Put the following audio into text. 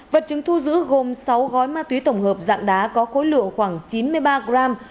vật chứng thu giữ gồm sáu gói ma túy tổng hợp dạng đá có khối lượng khoảng chín mươi ba gram